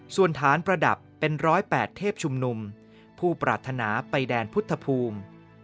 ส่วนฐานประดับเป็น๑๐๘เทพชุมนุมผู้ปรารถนาไปแดนพุทธภูมิ